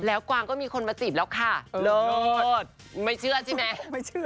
แล้วกว้างก็มีคนมาจีบแล้วค่ะโลดไม่เชื่อใช่ไหม